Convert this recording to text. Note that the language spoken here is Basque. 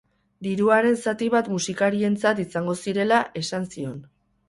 Diruaren zati bat musikarientzat izango zirela esan zion.